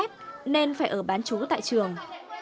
từ bảy đến hai mươi km nên phải ở bán chú tại trường